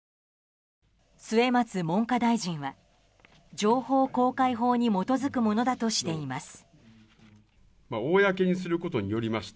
末松文科大臣は情報公開法に基づくものだとしています。